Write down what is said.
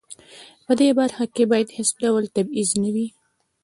په دې برخه کې باید هیڅ ډول تبعیض نه وي.